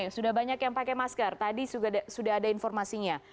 sudah banyak yang pakai masker tadi sudah ada informasinya